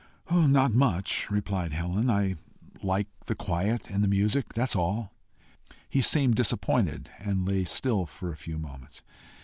"Not much," replied Helen. "I like the quiet and the music. That's all." He seemed disappointed, and lay still for a few moments.